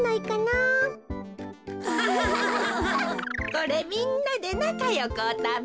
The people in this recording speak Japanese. これみんなでなかよくおたべ。